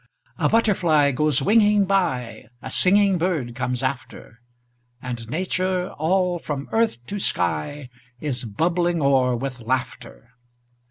A butterfly goes winging by; A singing bird comes after; And Nature, all from earth to sky, Is bubbling o'er with laughter.